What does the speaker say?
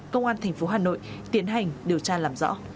công an thành phố hà nội tiến hành điều tra làm rõ